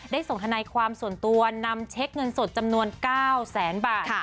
ส่งทนายความส่วนตัวนำเช็คเงินสดจำนวน๙แสนบาท